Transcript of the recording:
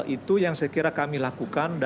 itu yang saya kira kami lakukan